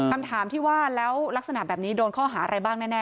คำถามที่ว่าแล้วลักษณะแบบนี้โดนข้อหาอะไรบ้างแน่